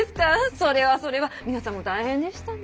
それはそれは皆さんも大変でしたね。